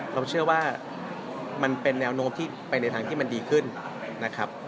เราเชื่อว่ามันเป็นแนวโน้มที่ไปในทางที่มันดีขึ้นนะครับ